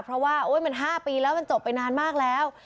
เพราะว่ามัน๕ปีแล้วมันจบไปนานมากแล้ว